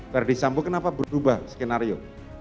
beri sambung kenapa berubah skenario